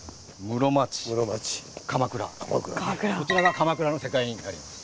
こちらが鎌倉の世界になります。